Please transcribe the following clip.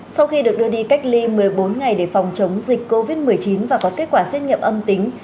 sau khi được đưa đi cách ly một mươi bốn ngày để phòng chống dịch covid một mươi chín và có kết quả xét nghiệm âm tính